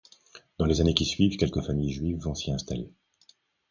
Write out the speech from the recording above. Dans les années qui suivent quelques familles juives vont s'y installer.